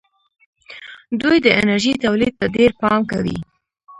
دوی د انرژۍ تولید ته ډېر پام کوي.